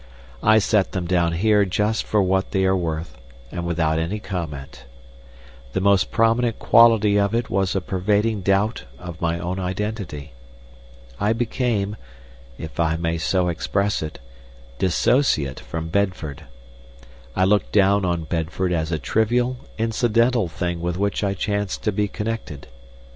I set them down here just for what they are worth, and without any comment. The most prominent quality of it was a pervading doubt of my own identity. I became, if I may so express it, dissociate from Bedford; I looked down on Bedford as a trivial, incidental thing with which I chanced to be connected.